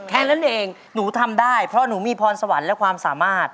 แค่นั้นเองหนูทำได้เพราะหนูมีพรสวรรค์และความสามารถ